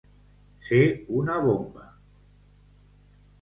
Ser una bomba.